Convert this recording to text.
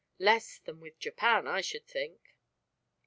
Less than with Japan, I should think."